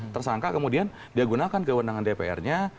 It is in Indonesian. tersangka kemudian dia gunakan kewenangan dpr nya